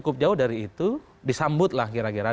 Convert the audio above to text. kemudian hanya untuk suatu hal yang iseng mungkin